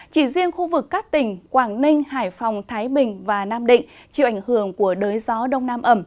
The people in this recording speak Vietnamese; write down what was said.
chỉ riêng khu vực các tỉnh quảng ninh hải phòng thái bình và nam định chịu ảnh hưởng của đới gió đông nam ẩm